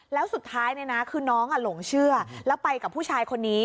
แล้วสุดท้ายคือน้องหลงเชื่อแล้วไปกับผู้ชายคนนี้